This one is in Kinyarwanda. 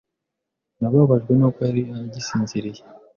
Nababajwe nuko yari agisinziriye.